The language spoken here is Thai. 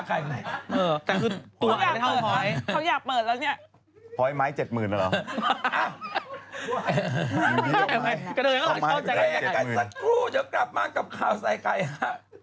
ใครกันสักครู่เจ้ากลับมากับขาวใส่ไก่ฮะ